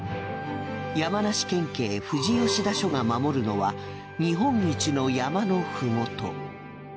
山梨県警富士吉田署が守るのは日本一の山のふもと。